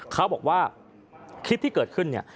เขาบอกว่าคลิปที่เกิดขึ้นเนี่ย